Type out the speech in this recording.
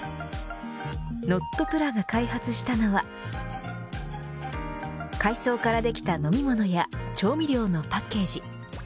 Ｎｏｔｐｌａが開発したのは海藻からできた飲み物や調味料のパッケージ。